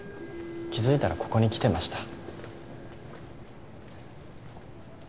気づいたらここに来てました。